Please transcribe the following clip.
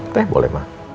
teh boleh ma